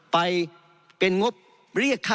ไปเป็นงบเรียกค่า